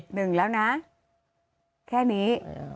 หนึ่งแล้วนะแค่นี้